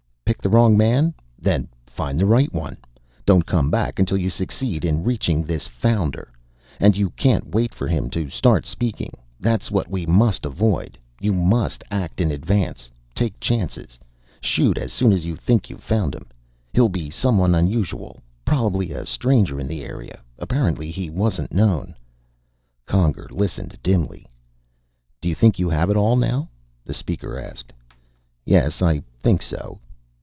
"Pick the wrong man? Then find the right one. Don't come back until you succeed in reaching this Founder. And you can't wait for him to start speaking; that's what we must avoid! You must act in advance. Take chances; shoot as soon as you think you've found him. He'll be someone unusual, probably a stranger in the area. Apparently he wasn't known." Conger listened dimly. "Do you think you have it all now?" the Speaker asked. "Yes. I think so."